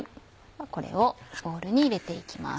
これをボウルに入れて行きます。